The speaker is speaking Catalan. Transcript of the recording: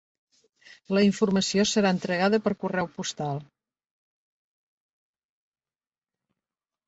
La informació serà entregada per correu postal.